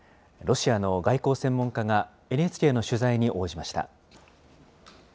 ロシアの外交専門家が、ＮＨＫの取材に応じました。